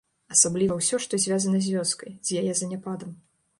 Асабліва ўсё, што звязана з вёскай, з яе заняпадам.